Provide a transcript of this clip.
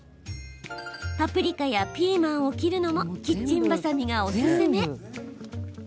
パプリカやピーマンを切るのもキッチンバサミがおすすめ。